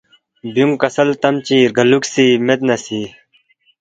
بیونگ کسل تم چی رگالوکھسی مید نہ سی